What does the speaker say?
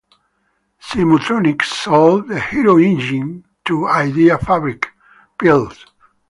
Simutronics sold the HeroEngine to Idea Fabrik, Plc.